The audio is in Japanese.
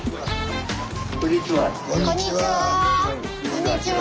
こんにちは。